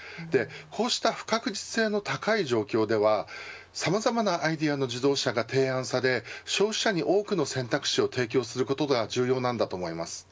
こうした不確実性の高い状況ではさまざまなアイディアの自動車が提案され消費者に多くの選択肢を提供することが重要だと思います。